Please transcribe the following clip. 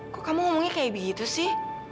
kok kamu ngomongnya kayak begitu sih